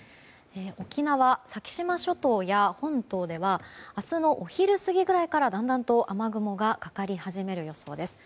沖縄、先島諸島や本島では明日のお昼過ぎぐらいからだんだんと雨雲がかかり始める予想です。